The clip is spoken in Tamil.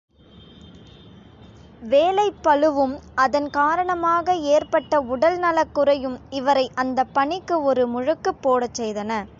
வேலைப்பளுவும் அதன் காரணமாக ஏற்பட்ட உடல் நலக்குறையும் இவரை அந்தப் பணிக்கு ஒரு முழுக்குப் போடச் செய்தன.